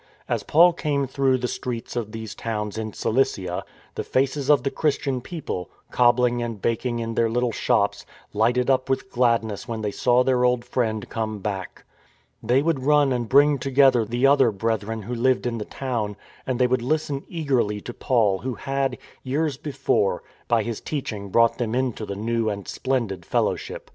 As Paul came through the streets of these towns in Cilicia, the faces of the Chris tian people, cobbling and baking in their little shops, lighted up with gladness when they saw their old friend come back. They would run and bring together the other Brethren who lived in the town, and they would listen eagerly to Paul who had, years before, by his teaching brought them into the new and splendid Fellowship.